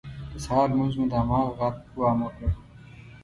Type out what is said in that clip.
د سهار لمونځ مو د هماغه غار پر بام وکړ.